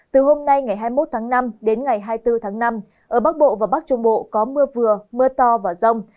từ hôm nay ngày hai mươi một tháng năm đến ngày hai mươi bốn tháng năm ở bắc bộ và bắc trung bộ có mưa vừa mưa to và rông